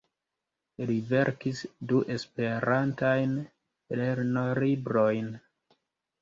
Li verkis du Esperantajn lernolibrojn.